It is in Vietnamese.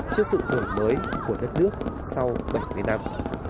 trước sự đổi mới của đất nước sau bảy mươi năm